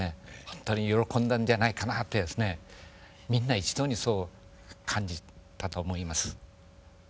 本当に喜んだんじゃないかなってみんな一同にそう感じたと思います。